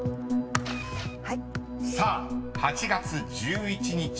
［さあ８月１１日